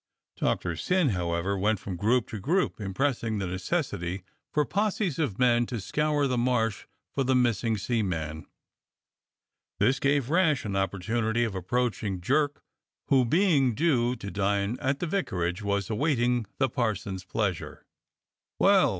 Doctor Syn, how ever, went from group to group, impressing the necessity for posses of men to scour the Marsh for the missing seaman. This gave Rash an opportunity of approaching Jerkj» who, being due to dine at the vicarage, was awaiting the parson's pleasure. "Well!